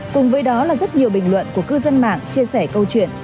cùng với đó là rất nhiều bình luận của cư dân mạng chia sẻ câu chuyện